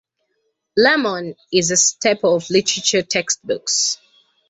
"Lemon" is a staple of literature textbooks.